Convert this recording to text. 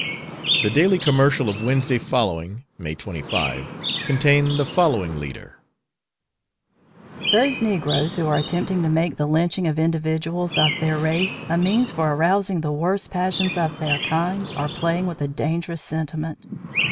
The Daily Commercial of Wednesday following, May 25, contained the following leader: Those negroes who are attempting to make the lynching of individuals of their race a means for arousing the worst passions of their kind are playing with a dangerous sentiment.